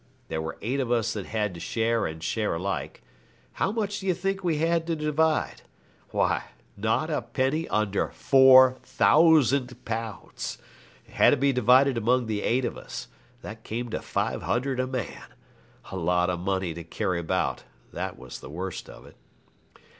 There were eight of us that had to share and share alike. How much do you think we had to divide? Why, not a penny under four thousand pounds. It had to be divided among the eight of us. That came to five hundred a man. A lot of money to carry about, that was the worst of it.